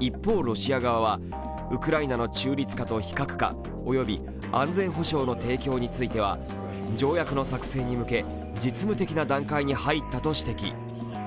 一方、ロシア側は、ウクライナの中立化と非核化、及び安全保障の提供については条約の作成に向け実務的な段階に入ったと指摘。